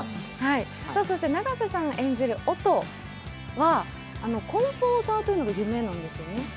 永瀬さん演じる音というのはコンポーザーというのが夢なんですよね。